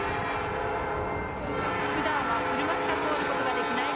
ふだんは車しか通ることができない